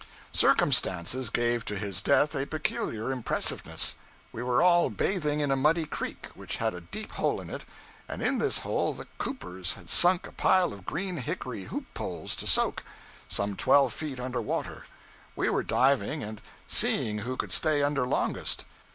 Circumstances gave to his death a peculiar impressiveness. We were all bathing in a muddy creek which had a deep hole in it, and in this hole the coopers had sunk a pile of green hickory hoop poles to soak, some twelve feet under water. We were diving and 'seeing who could stay under longest.'